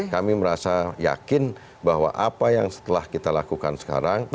kami merasa yakin bahwa apa yang setelah kita lakukan sekarang